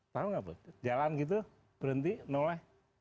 tahu gak buet jalan gitu berhenti noleh